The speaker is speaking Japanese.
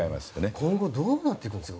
今後、どうなっていくんですか？